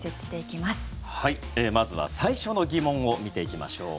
まずは最初の疑問を見ていきましょう。